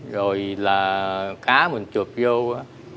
rồi là cá mình chuộp vô á